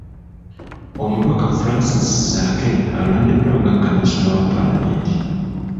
Omubaka Francis Zaake alondeddwa nga Kamisona wa Paalamenti